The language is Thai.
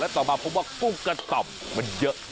ต่อมาพบว่ากุ้งกระต่ำมันเยอะ